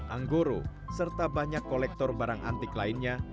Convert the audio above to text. anggoro serta banyak kolektor barang antik lainnya